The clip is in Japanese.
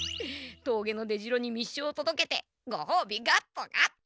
峠の出城に密書をとどけてごほうびガッポガッポ！